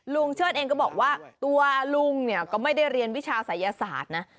เชิดเองก็บอกว่าตัวลุงเนี่ยก็ไม่ได้เรียนวิชาศัยศาสตร์นะ